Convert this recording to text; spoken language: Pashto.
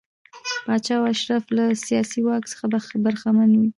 پاچا او اشراف له سیاسي واک څخه برخمن وي.